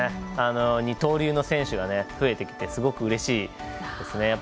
二刀流の選手が増えてきてすごくうれしいですね。